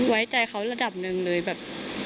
ไว้ใจเขาระดับหนึ่งเลยแบบ